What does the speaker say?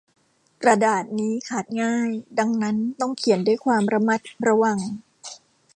กระดาษนี้ขาดง่าย ดังนั้นต้องเขียนด้วยความระมัดระวัง